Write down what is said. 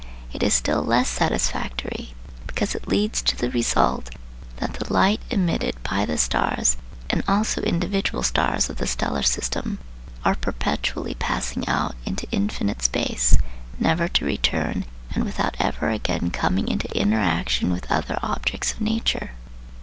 It is still less satisfactory because it leads to the result that the light emitted by the stars and also individual stars of the stellar system are perpetually passing out into infinite space, never to return, and without ever again coming into interaction with other objects of nature.